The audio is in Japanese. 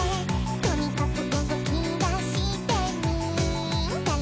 「とにかく動きだしてみたら」